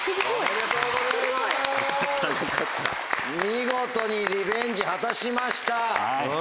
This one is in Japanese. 見事にリベンジ果たしました。